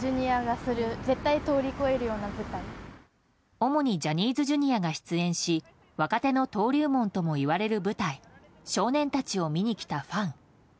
主にジャニーズＪｒ．が出演し若手の登竜門とも呼ばれる舞台「少年たち」を見にきたファン。